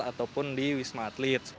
ataupun di wisma atlet